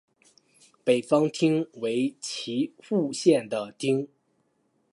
北方町为岐阜县的町。